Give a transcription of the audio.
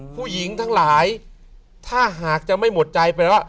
ผู้หญิงทั้งหลายถ้าหากจะไม่หมดใจแปลว่า